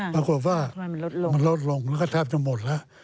แล้วก็ปรากฏว่ามันลดลงแล้วก็ถึงถูกแล้ว